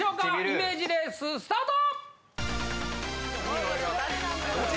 イメージレーススタート！